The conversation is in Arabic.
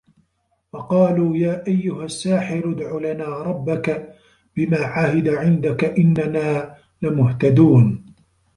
وَقالوا يا أَيُّهَ السّاحِرُ ادعُ لَنا رَبَّكَ بِما عَهِدَ عِندَكَ إِنَّنا لَمُهتَدونَ